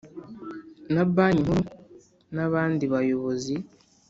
na Banki Nkuru n abandi bayobozi